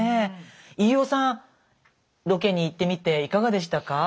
飯尾さんロケに行ってみていかかでしたか？